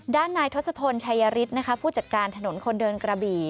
ด้านนายทศพลชายฤทธิ์ผู้จัดการถนนคนเดินกระบี่